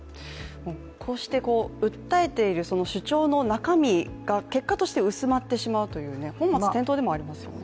こうして訴えている主張の中身が結果として薄まってしまうという本末転倒でもありますよね。